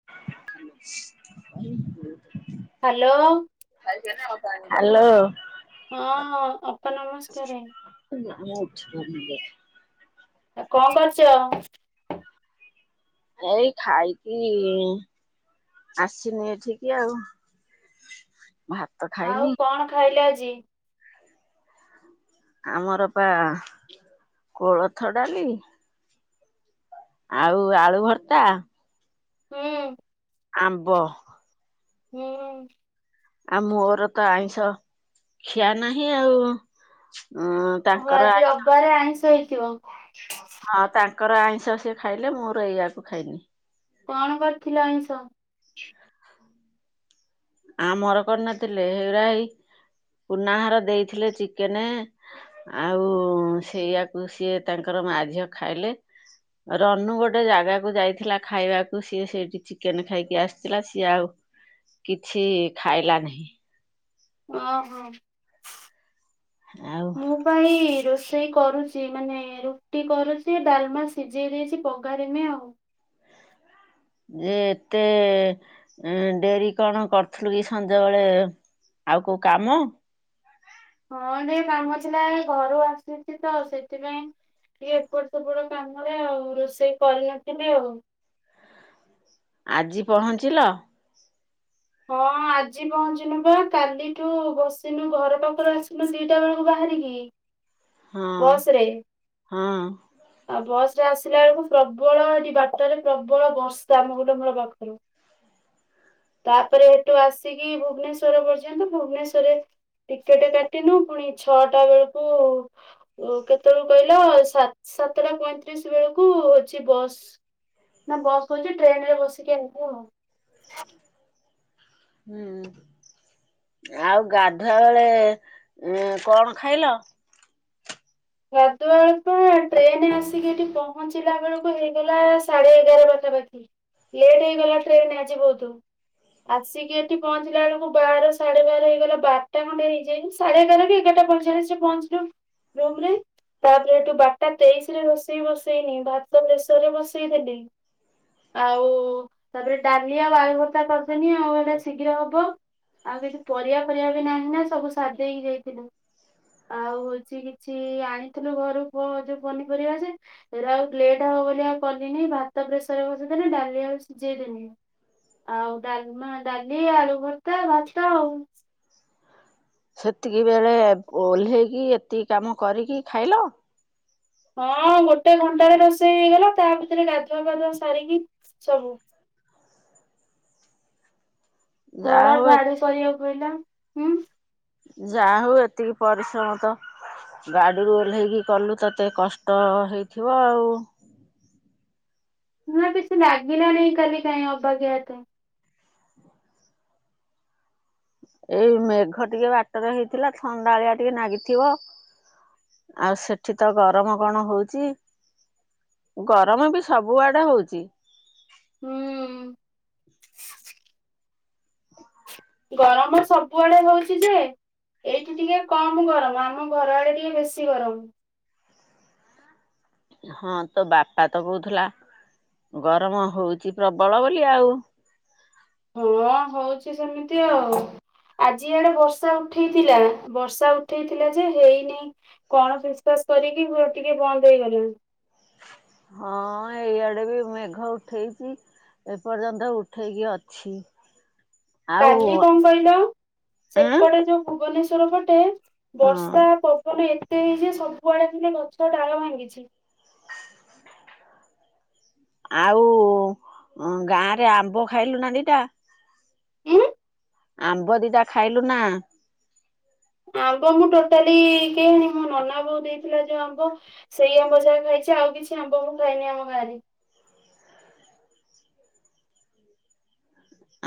[unintelligible] Hello. [unintelligible] Hello. ହଁ ଅପା ନମସ୍କାରେ। ମା ମୁଁ ଉଠି ପାରୁନି ତ। ଆ କଣ କରୁଛ? ଏଇ ଖାଇକି ଆସିନି ଏଠିକି ଆଉ। ଭାତ ଟା ଆଉ କଣ ଖାଇଲେ ଆଜି? ଆମର ପା କୋଳଥ ଡାଲି ଆଉ ଆଳୁ ଭର୍ତ୍ତା। ହୁଁ। ଆମ୍ବ। ହୁଁ। ଆଉ ମୋର ତ ଆଇଁଷ ଖିଆ ନାହିଁ ଆଉ ଉଁ। ଓହୋ ତାଙ୍କର ଆଜି ରବାରେ ଆଇଁଷ ହେଇଥିବ? ହଁ ତାଙ୍କର ଆଇଁଷ ସିଏ ଖାଇଲେ ମୋର ଏଇଆକୁ ଖାଇନି। କଣ କରିଥିଲ ଅଇଁଷ? ଆମର କରିନଥିଲେ ହେଉରା ହେଇ କୁନା ହର ଦେଇଥିଲେ ଚିକେନେ ଆଉ ସେଇଆକୁ ସିଏ ତାଙ୍କର ମାଝିଅ ଖାଇଲେ। ରନୁ ଗୋଟେ ଜାଗାକୁ ଯାଇଥିଲା ଖାଇବାକୁ ସିଏ ସେଇଠି ଚିକେନ ଖାଇକି ଆସିଥିଲା ସିଏ ଆଉ ଛି ଖାଇଲା ନାହିଁ। ଅ ହ। ଆଉ ପାଇଁ ରୋଷେଇ କରୁଛି ମାନେ ରୁଟି କରୁଛି ଡାଲମା ସିଝେଇ ଦେଇଛି ବଘାରିମି ଆଉ। ଇଏ ଏତେ ଡେରି କଣ କରୁଥିଲୁ କି ସଞ୍ଜବେଳେ? ଆଉ କୋଉ କାମ ହଁ ଟେ କାମ ଥିଲା ଘରୁ ଆସିଛି ତ ସେଥିପାଇଁ ଟିକେ ଏପଟ ସେପଟ କାମରେ ଆଉ ରୋଷେଇ କରିନଥିଲି ଆଉ। ଆଜି ପହଞ୍ଚିଲ? ହଁ ଆଜି ପହଞ୍ଚିନୁ ବା କାଲିଠୁ ବସିିଲୁ ଘର ପାଖରୁ ଆସିଲୁ ଦିଟା ବେଳକୁ ବାହାରିକି ହଁ ବସ ରେ ହଁ। ଆଉ ବସ ରେ ଆସିଲା ବେଳକୁ ପ୍ରବଳ ଏଠି ବାଟରେ ପ୍ରବଳ ବର୍ଷା ଆମ ଗୋଟେ [unintelligible] ପାଖରୁ। ତାପରେ ଏଠୁ ଆସିକି ଭୁବନେଶ୍ୱର ପର୍ଯ୍ୟନ୍ତ ଭୁବନେଶ୍ଵରରେ ଟିକେଟ କାଟିିନୁ ପୁଣି ଛଅଟା ବେଳକୁ ଓ କେତେବେଳଳେ କହିଲ ସା ସାତଟା ପଇଁତିରିଶ ବେଳକୁ ହଉଛି ବସ୍। ନା ବସ୍ ହଉଛି ଟ୍ରେନ ରେ ବସିକି ଆଇବୁ ଆଉ। ହୁଁ ଆଉ ଗାଧୁଆ ବେଳେ କଣ ଖାଇଲ? ଗାଧୁଆ ବେଳକୁ ଟ୍ରେନ ଆସିକି ଏଠି ପହଞ୍ଚିଲା ବେଳକୁ ହେଇଗଲା ସାଢେ ଏଗାର ପାଖାପାଖି। ଲେଟ୍ ହେଇଗଲା ଟ୍ରେନ ଆଜି ବହୁତ ଆସ୍ ସିକି ଏଠି ପହଞ୍ଚିଲା ବେଳକୁ ବାର ସାଢେ ବାର ହେଇଗଲା ବାରଟା ଖଣ୍ଡେ ହେଇଯାଇନ୍ ସାଢେ ଏଗାର କି ଏଗାରଟା ପଇଞ୍ଚାଳି [unintelligible] ତାପରେ ଏଠୁ ବାଟା ତେଇଶ ରେ ରୋସେଇ ବସେଇନି ଭାତ ପ୍ରେସରରେ ବସେଇ ଦେଲି ଆଉ ତାପରେ ଡାଲି ଆଉ ବାୟୁଭର୍ତା କରିଦେଲି ଆଉ ହେଟା ଶୀଘ୍ର ହବ। ଆଉ କିଛି ପରିବା ଫରିବା ବି ନାହିଁ ନା ସବୁ ସାରି ଦେଇକି ଯାଇଥିଲୁ। ଆଉ ହଉଛି କିଛି ଆଣିଥିଲୁ ଘରୁ ଯୋଉ ପନିପରିବା ଯେ ଏରା ଆଉ ଲେଟ ହବ ବୋଲି ଆଉ କଲିନି ଭାତ ପ୍ରେସରରେ ବସେଇଦେଲି ଡାଲି ଆଉ ସିଝେଇଦେନି। ଆଉ ଡାଲମା ଡାଲି ଆଳୁ ଭର୍ତ୍ତା ଭାତ ଆଉ। ସେତିକିିବେଳେ ଓହ୍ଲେଇକି ଏତିକି କାମ କରିକି ଖାଇଲ? ହଁ ଗୋଟେ ଘଣ୍ଟାରେ ରୋଷେଇ ହେଇଗଲା ତା ଭିତରେ ଗାଧୁଆ ପାାଧୁଆ ସାରିକି ସବୁ ଯାହା ଘଡ଼ ହଉ ଝାଡ଼ୁ କରିବାକୁ ହେଲା ଉଁ ଯା ହଉ ଏତିକି ପରିଶ୍ରମ ତ ଗାଡିରୁ ଓହ୍ଲେଇକି କଲୁ ତତେ କଷ୍ଟ ହେଇଥିବ ଆଉ। ନା କିଛି ଲାଗିଲା ନାହିଁ କାଲି କାହିଁ ଅବାକିଆ ଏତେ। ଏଇ ମେଘ ଟିକେ ବାଟରେ ହେଇଥିଲା ଥଣ୍ଡାଳିଆ ଟିକେ ନାଗିଥିବ। ଆଉ ସେଠି ତ ଗରମ କଣ ହଉଛି। ଗରମ ବି ସବୁଆଡେ ହଉଛି। ହୁଁ। ଗରମ ସବୁଆଡେ ହଉଛି ଯେ ଏଇଠି ଟିକେ କମ୍ ଗରମ୍ ଆମ ଘର ଆଡେ ଟିକେ ବେଶୀ ଗରମ୍। ହଁ ତୋ ବାପା ତ କହୁଥିଲା ଗରମ ହଉଛି ପ୍ରବଳ ବୋଲି ଆଉ। ହଁ ହଉଛି ସେମିତି ଆଉ। ଆଜି ଇଆଡେ ବର୍ଷା ଉଠେଇଥିଲା, ବର୍ଷା ଉଠେଇଥିଲା ଯେ ହେଇନି। କଣ [unintelligible] କରିକି ପୁରା ଟିକେ ବନ୍ଦ ହେଇଗଲା। ହଁ ଏଇଆଡେ ବି ମେଘ ଉଠେଇଚି। ଏପର୍ଯ୍ୟନ୍ତ ଉଠେଇକି ଅଛି। ଆଉ କାଲି କଣ କହିଲ ଏଁ ସେପଟେ ଯୋଉ ଭୁବନେଶ୍ଵର ପଟେ ହଁ ବର୍ଷା ପବନ ଏତେ ହେଇଚି ଯେ ସବୁଆଡେ ଖାଲି ଗଛ ଡାଳ ଭାଙ୍ଗିଛି। ଆଉ-ଉ-ଉ ଗାଆଁରେ ଆମ୍ବ ଖାଇଲୁ ନା ଦିଟା? ଉଁ ଆମ୍ବ ଦିଟା ଖାଇଲୁ ନା? ଆମ୍ବ ମୁଁ ଟୋଟାଲି କେହାଣି ମୋ ନନା ବୋଉ ଦେଇଥିଲା ଯୋଉ ଆମ୍ବ ସେଇ ଆମ୍ବ ଯା ଖାଇଛି ଆଉ କିଛି ଆମ୍ବ ମୁଁ ଖାଇନି ଆମ ଗାଆଁରେ।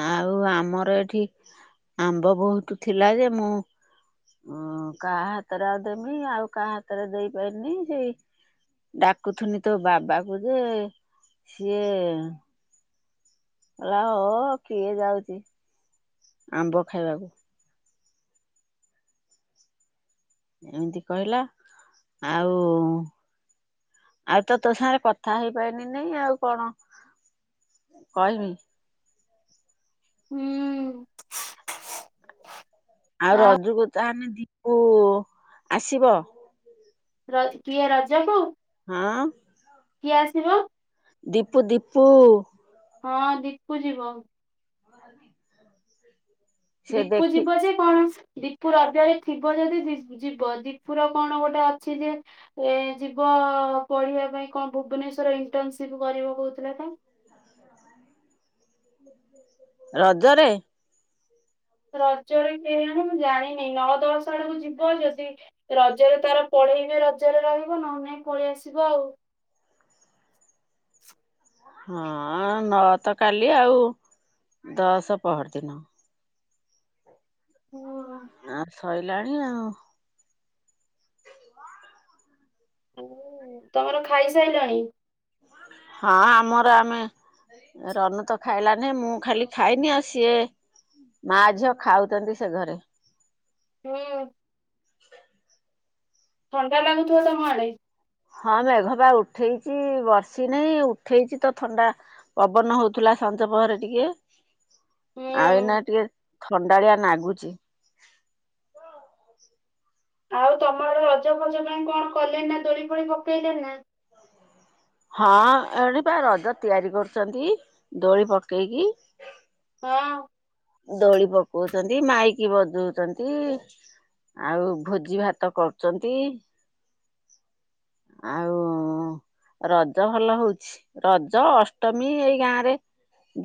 ଆଉ ଆମର ଏଠି ଆମ୍ବ ବହୁତୁ ଥିଲା ଯେ ମୁଁ ଉଁ-ଉଁ କାହା ହାତରେ ଆଉ ଦେମି ଆଉ କାହା ହାତରେ ଦେଇପାଇଲିନି ସେଇ ଡାକୁଥିନି ତୋ ବାବାକୁ ଯେ, ସିଏ କହିଲା ହୋ କିଏ ଯାଉଚି, ଆମ୍ବ ଖାଇବାକୁ। ଏମିତି କହିଲା, ଆଉ ଆଉ ତ ତୋ ସାଙ୍ଗେରେ କଥା ହେଇପାଇଲିନି ଆଉ କଣ କହିମି। ହୁଁ। ଆଉ ରଜୁକୁ ତାହେନେ ଦୀପୁ ଆସିବ? ର କିଏ ରଜକୁ? ହଁ? କିଏ ଆସିବ? ଦୀପୁ-ଦୀପୁ। ହଁ ଦୀପୁ ଯିବ। ସେ ଦୀପୁ ଦେଖି ଯିବ ଯେ କଣ ସ୍ ଦୀ ଦୀପୁ ରଜରେ ଥିବ ଯଦି ଯିବ, ଦୀପୁର କଣ ଗୋଟେ ଅଛି ଯେ ଏ ଯିବ ପଢିବା ପାଇଁ କଣ ଭୁବନେଶ୍ଵର ଇଣ୍ଟରନସିପ୍ କରିବ କହୁଥିଲା ତ। ରଜରେ? ରଜରେ କେଆଣି ମୁଁ ଜାଣିନି ନଅ ଦଶ ଆଡୁକୁ ଯିବ ଯଦି ରଜରେ ତାର ପଢେଇବେ ରଜରେ ରହିବ, ନହେଲେ ନାଇଁ ପଳେଇ ଆସିବ ଆଉ। ହଁ-ଅ-ଅ ନଅ ତ କାଲି ଆଉ, ଦଶ ପହର ଦିନ। ହୁଁ ଆଁ। ଆ ସଇଲାଣି ଆଉ। ହୁଁ ତମର ଖାଇସାଇଲଣି? ହଁ ଆମର ଆମେ ରନୁ ତ ଖାଇଲାନି ମୁଁ ଖାଲି ଖାଇନି ଆଉ ସିଏ ମା ଝିଅ ଖାଉଚନ୍ତି ସେ ଘରେ। ହୁଁ। ଥଣ୍ଡା ଲାଗୁଥିବ ତମ ଆଡେ? ହଁ ମେଘ ପା ଉଠେଇଚି ବର୍ଷି ନାଇଁ ଉଠେଇଚି ତ ଥଣ୍ଡା ପବନ ହଉଥିଲା ସଞ୍ଜ ପହରେ ଟିକେ। ଆଉ ଏଇନା ହୁଁ ଟିକେ ଥଣ୍ଡାଳିଆ ନାଗୁଚି। ଆଉ ତମ ଆଡେ ରଜ ଫଜ ପାଇଁ କଣ କଲେଣି ନା ଦୋଳି ଫୋଳି ପକେଇଲେଣି ନା? ହଁ ଏଠି ପା ରଜ ତିଆରି କରୁଚନ୍ତି, ଦୋଳି ପକେଇକି। ହଁ। ଦୋଳି ପକଉଚନ୍ତି ମାଇକି ବଜଉଚନ୍ତି। ଆଉ ଭୋଜି ଭାତ କରୁଚନ୍ତି। ଆଉ ରଜ ଭଲ ହଉଛି, ରଜ ଅଷ୍ଟମୀ ଏଇ ଗାଆଁରେ।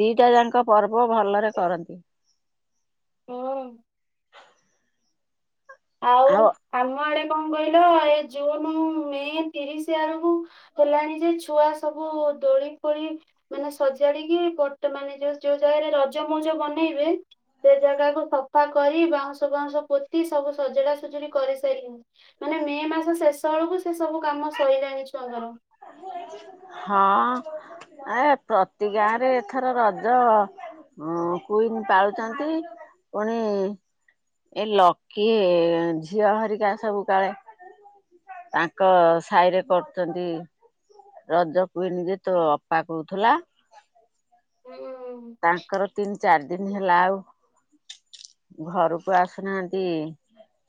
ଦିଟା ଯାଙ୍କ ପର୍ବ ଭଲରେ କରନ୍ତି। ହଁ। ଆ ଆଓ ଆମ ଆଡେ କଣ କହିଲ ଏ ଜୁନ ମେ ତିରିଶି ଆରକୁ ହେଲାଣି ଯେ ଛୁଆ ସବୁ ଦୋଳି ଫୋଳି ମାନେ ସଜାଡିକି ପଟ ମାନେ ଯୋଉ ଜାଗାରେ ରଜ ମଉଜ ବନେଇବେ ସେ ଜାଗାକୁ ସଫା କରି ବାଉଁଶ ଫାଉଁଶ ପୋତି ସବୁ ସଜଡା ସଜୁଡି କରିସାରିଲେଣି। ମାନେ ମେ ମାସ ଶେଷ ବେଳକୁ ସେ ସବୁ କାମ ସଇଲାଣି ଛୁଆଙ୍କର। ହଁ ଏ ପ୍ରତି ଗାଁ ରେ ଏଥର ରଜ। ହଁ କୁଇନ୍ ପାଳୁଛନ୍ତି ପୁଣି ଏ ଲକି ଝିଅ ହେରିକା ସବୁ କାଳେ ତାଙ୍କ ସାଇରେ କରୁଛନ୍ତି। ରଜ କୁଇନ୍ ଯେ ତୋ ଅପା କହୁଥିଲା। ହୁଁ। ତାଙ୍କର ତିନି ଚାରି ଦିନ ହେଲା ଆଉ ଘରକୁ ଆସୁନାହାନ୍ତି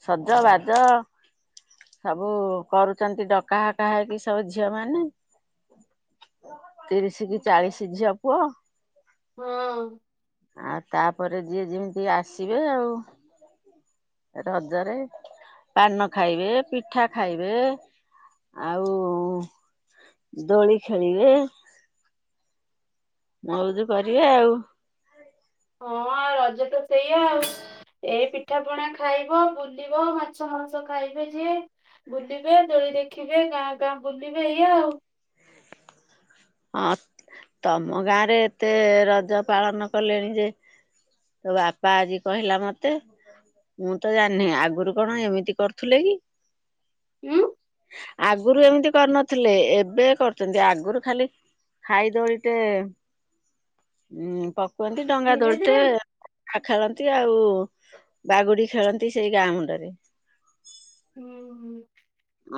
ସଜ ବାଜ। ସବୁ କରୁଛନ୍ତି ଡକା ହକା ହେଇକି ସବୁ ଝିଅ ମାନେ ତିରିଶି କି ଚାଳିଶି ଝିଅ ପୁଅ। ହଁ। ଆଉ ତାପରେ ଯିଏ ଯେମିତି ଆସିବେ ଆଉ। ରଜରେ ପାନ ଖାଇବେ ପିଠା ଖାଇବେ। ଆଉ ଦୋଳି ଖେଳିବେ ମଉଜୁ କରିବେ ଆଉ। ହଁ ଆଉ ରଜ ତ ସେଇଆ ଆଉ। ଏ ପିଠା ପଣା ଖାଇବ ବୁଲିବ ମାଛ ମାଂସ ଖାଇବେ ଯିଏ। ବୁଲିବେ ଦୋଳି ଦେଖିବେ ଗାଁ ଗାଁ ବୁଲିବେ ଏଇଆ ଆଉ। ହଁ ତମ ଗାଁ ରେ ଏତେ ରଜ ପାଳନ କଲେଣି ଯେ ତୋ ବାପା ଆଜି କହିଲା ମତେ ମୁଁ ତ ଜାଣିନି ଆଗରୁ କଣ ଏମିତି କରୁଥିଲେ କି? ଉଁ। ଆଗରୁ ଏମିତି କରିନଥିଲେ ଏବେ କରୁଛନ୍ତି ଆଗରୁ ଖାଲି ଖାଇ ଦୋଳିଟେ ପକନ୍ତି ଡଙ୍ଗା ଧୀରେ ଦୋଳିଟେ ଧୀରେ ଆଖେଳନ୍ତି ଆଉ ବାଗୁଡି ଖେଳନ୍ତି ସେଇ ଗାଁ ମୁଣ୍ଡରେ। ହୁଁ ହୁଁ।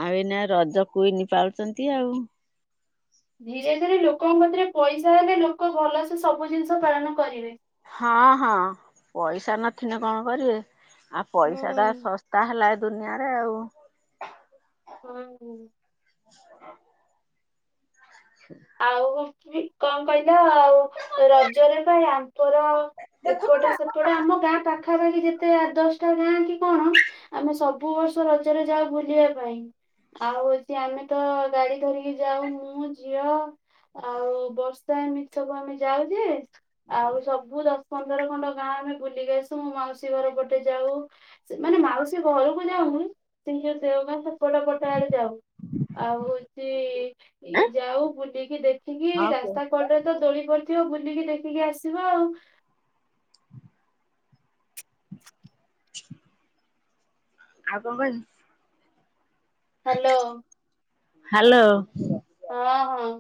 ଆଉ ଏଇନା ରଜ କୁଇନ ପାଳୁଛନ୍ତି ଆଉ। ଧୀରେ ଧୀରେ ଲୋକଙ୍କ ପାଖରେ ପଇସା ହେଲେ ଲୋକ ଭଲସେ ସବୁ ଜିନିଷ ପାଳନ କରିବେ। ହଁ ହଁ ପଇସା ନଥିନେ କଣ କରିବେ? ଆ ହୁଁ ପଇସା ଟା ଶସ୍ତା ହେଲା ଦୁନିଆରେ ଆଉ। ହୁଁ ହୁଁ। ସୋ ଆଉ କଣ କହିଲ ଆଉ ରଜରେ ବା ଆଙ୍କର ହଁ କୁହ ଏପଟେ ସେପଟ ଆମ ଗାଁ ପାଖାପାଖି ଯେତେ ଆଠ ଦଶଟା ଗାଁ କି କଣ ଆମେ ସବୁ ବର୍ଷ ରଜରେ ଯାଉ ବୁଲିବା ପାଇଁ। ଆଉ ହଉଛି ଆମେ ତ ଗାଡି ଧରିକି ଯାଉ ମୁଁ ଝିଅ ଆଉ ବର୍ଷା ଏମିତି ସବୁ ଆମେ ଯାଉ ଯେ ଆଉ ସବୁ ଦଶ ପନ୍ଦର ଖଣ୍ଡ ଗାଁ ଆମେ ବୁଲିକି ଆସୁ ମୋ ମାଉସୀ ଘର ପଟେ ଯାଉ। ସେ ମାନେ ମାଉସୀ ଘରକୁ ଯାଉନୁ କିନ୍ତୁ ଦେଓଗାଁ ସେପଟ ପଟ ଆଡେ ଯାଉ? ଆଉ ହୋଉଚି ଇ ଯାଉ ବୁଲିକି ଦେଖିକି ଆଉ ରାସ୍ତା କଣ ପଟେ ତ ଦୋଳି ପଡିଥିବ ବୁଲିକି ଦେଖିକି ଆସିବ ଆଉ। [inaudible] ଆଉ କଂ କ [unintelligible] ହ୍ୟାଲୋ। ହ୍ୟାଲୋ। ହଁ ହଁ।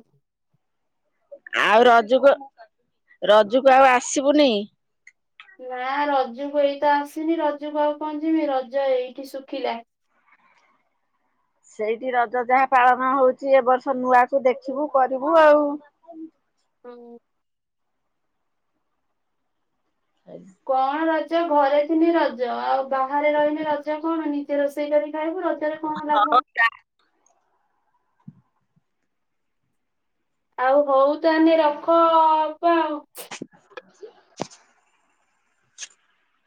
ଆଉ ରଜୁକୁ ରଜୁକୁ ଆଉ ଆସିବୁନି। ନା ରଜକୁ ଏଇତ ଆସିନି ରଜକୁ ଆଉ କଣ ଯିମି ରଜ ଏଇଠି ଶୁଖିଲା। ସେଇଠି ରଜ ଯାହା ପାଳନ ହୋଉଚି ଏ ବର୍ଷ ନୂଆକୁ ଦେଖିବୁ କରିବୁ ଆଉ। ହଁ। [inaudible] କଣ ରଜ ଘରେ ଥିନି ରଜ ଆଉ ବାହାରେ ରହିନେ ରଜ କଣ ନିଜେ ରୋଷେଇ କରି ଖାଇବୁ ରଜ ରେ କଣ ଲାଭ। ଆଉ ହୋଉ ତାହାନେ ରଖ ଅପା ଆଉ। [inaudible]